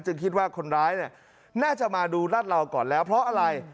คิดว่าคนร้ายเนี่ยน่าจะมาดูรัดเราก่อนแล้วเพราะอะไร